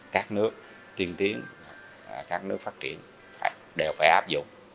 các nước tiên tiến các nước phát triển đều phải áp dụng